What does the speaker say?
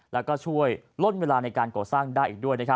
แล้วก็ช่วยล่นเวลาในการก่อสร้างได้อีกด้วย